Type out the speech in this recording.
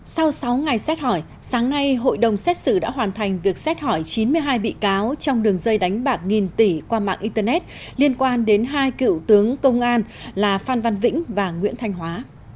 sau sáu ngày xét hỏi sáng nay hội đồng xét xử đã hoàn thành việc xét hỏi chín mươi hai bị cáo trong đường dây đánh bạc nghìn tỷ qua mạng internet liên quan đến hai cựu tướng công an là phan văn vĩnh và nguyễn thanh hóa